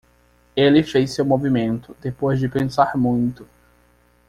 Ele fez seu movimento, depois de pensar muito